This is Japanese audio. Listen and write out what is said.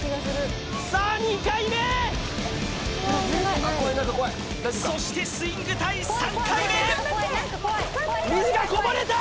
さあ２回目そしてスイング隊３回目水がこぼれた